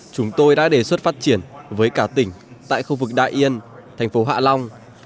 chúng tôi đã đề xuất phát triển với cả tỉnh tại khu vực đại yên thành phố hạ long